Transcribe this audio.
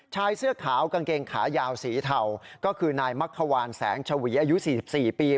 ชายเสื้อขาวกางเกงขายาวสีเทาก็คือนายมักขวานแสงชวีอายุ๔๔ปี